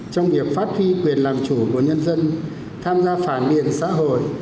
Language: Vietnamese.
trong việc phát huy quyền làm chủ của nhân dân tham gia phản biện xã hội